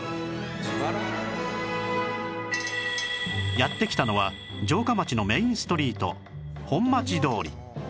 やって来たのは城下町のメインストリート本町通り